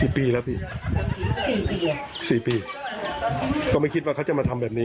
ปีแล้วพี่สี่ปีก็ไม่คิดว่าเขาจะมาทำแบบนี้